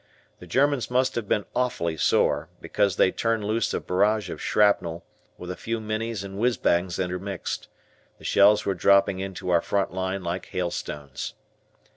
The Germans must have been awfully sore, because they turned loose a barrage of shrapnel, with a few "Minnies" and "whizz bangs" intermixed. The shells were dropping into our front line like hailstones.